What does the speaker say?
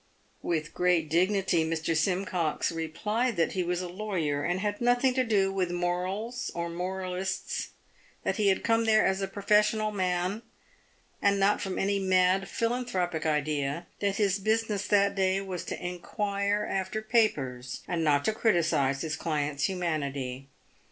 "With great dignity, Mr. Simcox replied that he was a lawyer, and had nothing to do with morals or moralists — that he had come there as a professional man, and not from any mad, philanthropic idea — that his business that day was to inquire after papers, and not to criticise his client's humanity.